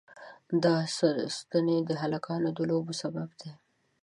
دا ستنې د هلکانو د لوبو سبب دي.